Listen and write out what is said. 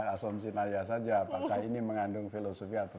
asumsi naya saja apakah ini mengandung filosofi atau